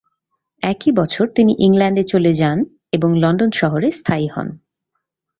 একই বছর তিনি ইংল্যান্ডে চলে যা এবং লন্ডন শহরে স্থায়ী হন।